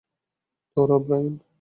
দৌড়াও, ব্রায়ান!